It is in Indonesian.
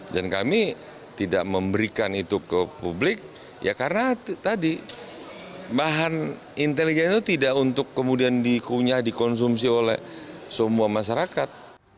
dan kami tidak memberikan itu ke publik ya karena tadi bahan intelijen itu tidak untuk kemudian dikunyah dikonsumsi oleh semua masyarakat